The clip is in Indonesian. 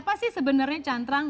apa sih sebenarnya cantrang